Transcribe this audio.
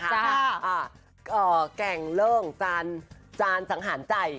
ก่าวแก่งเลิ่นจานสังหาญใจ